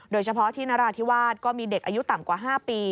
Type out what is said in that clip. โดยเฉพาะที่นราธิวาสก็มีเด็กอายุต่ำกว่า๕ปี